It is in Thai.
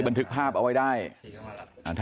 มันต้องการมาหาเรื่องมันจะมาแทงนะ